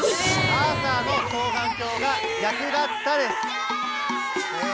「アーサーの双眼鏡が逆だった」です。